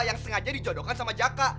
yang sengaja dijodohkan sama jaka